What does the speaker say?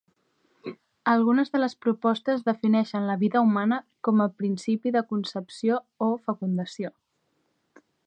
Algunes de les propostes defineixen la vida humana com a principi de concepció o fecundació.